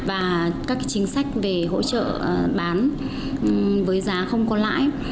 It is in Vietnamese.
và các chính sách về hỗ trợ bán với giá không có lãi